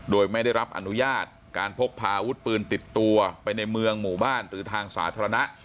โดยไม่ได้รับอนุญาตการพกพาอาวุธปืนติดตัวไปในเมืองหมู่บ้านหรือทางสาธารณะ